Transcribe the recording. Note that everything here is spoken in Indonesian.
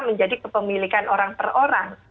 menjadi kepemilikan orang per orang